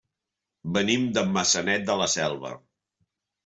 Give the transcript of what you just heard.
Venim de Maçanet de la Selva.